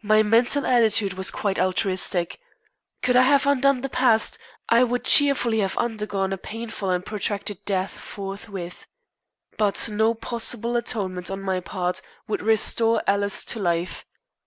My mental attitude was quite altruistic. Could I have undone the past, I would cheerfully have undergone a painful and protracted death forthwith. But no possible atonement on my part would restore Alice to life.